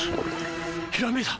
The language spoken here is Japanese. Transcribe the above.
ひらめいた！